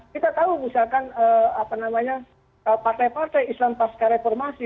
kita tahu misalkan partai partai islam pasca reformasi